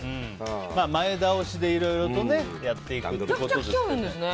前倒しでいろいろとやっていくってことでしょうね。